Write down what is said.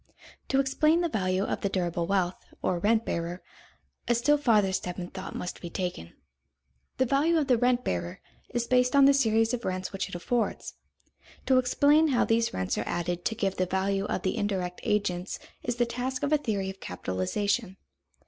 To explain the value of the durable wealth, or rent bearer, a still farther step in thought must be taken. The value of the rent bearer is based on the series of rents which it affords. To explain how these rents are added to give the value of the indirect agents is the task of a theory of capitalization.